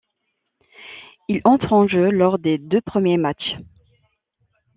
Il entre en jeu lors des deux premiers matchs.